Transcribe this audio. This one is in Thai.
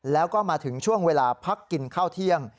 แล้วก็มาถึงช่วงเวลาพักกินข้าวเที่ยง